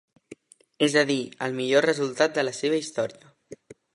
És a dir, el millor resultat de la seva història.